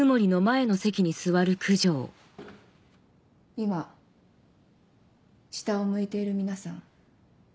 今下を向いている皆さん。